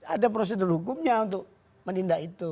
ada prosedur hukumnya untuk menindak itu